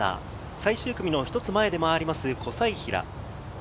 最終組の一つ前で回ります、小斉平。